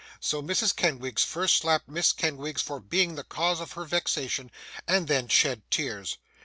So, Mrs. Kenwigs first slapped Miss Kenwigs for being the cause of her vexation, and then shed tears.